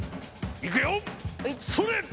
それ！